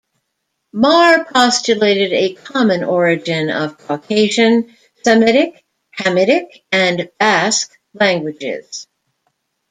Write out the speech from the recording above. Marr postulated a common origin of Caucasian, Semitic-Hamitic, and Basque languages.